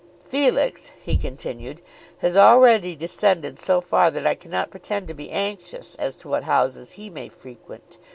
"Felix," he continued, "has already descended so far that I cannot pretend to be anxious as to what houses he may frequent.